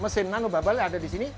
mesin nano bubble ada di sini